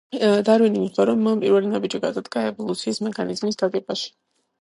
დარვინი მიხვდა, რომ მან პირველი ნაბიჯი გადადგა ევოლუციის მექანიზმის გაგებაში.